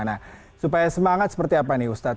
nah supaya semangat seperti apa nih ustadz